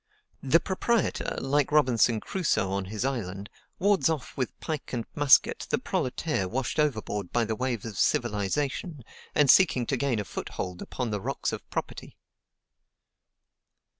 The proprietor, like Robinson Crusoe on his island, wards off with pike and musket the proletaire washed overboard by the wave of civilization, and seeking to gain a foothold upon the rocks of property.